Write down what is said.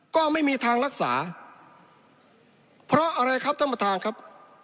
ก็ไม่มีทางรักษาเพราะอะไรครับท่านประธานครับ